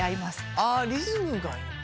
ああリズムがいいんだ。